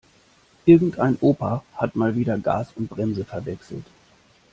Irgendein Opa hat mal wieder Gas und Bremse verwechselt.